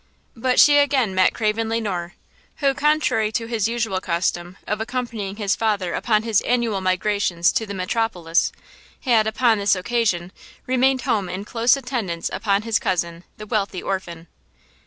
But she again met Craven Le Noir, who, contrary to his usual custom of accompanying his father upon his annual migrations to the metropolis, had, upon this occasion, remained home in close attendance upon his cousin, the wealthy orphan.